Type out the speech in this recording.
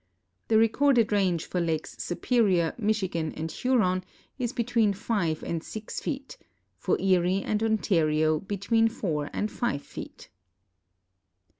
The recorded range for lakes Superior, Michigan, and Huron is between 5 and 6 feet; for Erie and Ontario, between 4 and 5 feet.